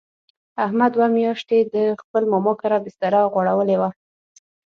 احمد دوه میاشتې د خپل ماما کره بستره غوړولې وه.